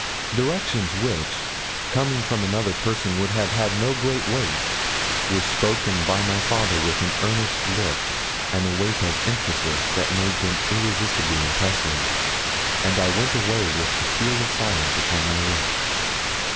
Directions which, coming from another person would have had no great weight, were spoken by my father with an earnest look and a weight of emphasis that made them irresistibly impressive, and I went away with the seal of silence upon my lips.